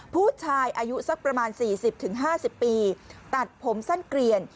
ผู้ชายอายุสักประมาณ๔๐๕๐ปีตัดผมสั้นเกลียน